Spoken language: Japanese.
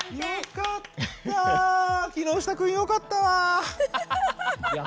木下君よかったわ。